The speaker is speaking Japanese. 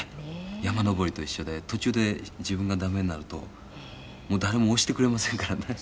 山登りと一緒で途中で自分がダメになると誰も押してくれませんからね。